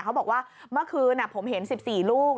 เขาบอกว่าเมื่อคืนผมเห็น๑๔ลูก